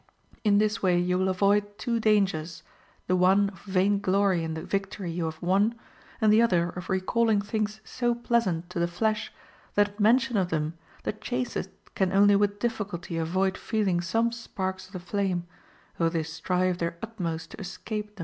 In this way you will avoid two dangers, the one of vain glory in the victory you have won, and the other of recalling things so pleasant to the flesh that at mention of them the chastest can only with difficulty avoid feeling some sparks of the flame, though they strive their utmost to escape them.